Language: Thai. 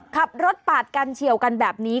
ขับรถปาดกันเฉียวกันแบบนี้